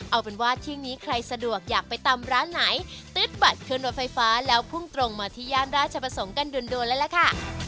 เอาเป็นว่าที่นี้ใครสะดวกอยากไปตำร้านไหนตื๊ดบัตรขึ้นรถไฟฟ้าแล้วพุ่งตรงมาที่ย่านราชประสงค์กันด่วนเลยล่ะค่ะ